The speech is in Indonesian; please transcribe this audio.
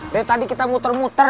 dari tadi kita muter muter